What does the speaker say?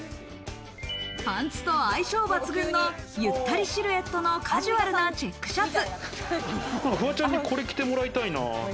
パンツと相性抜群のゆったりシルエットのカジュアルなチェックシャツ。